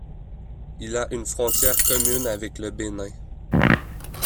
Il a une frontière commune avec le Bénin.